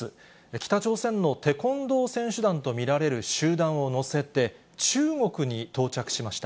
北朝鮮のテコンドー選手団と見られる集団を乗せて、中国に到着しました。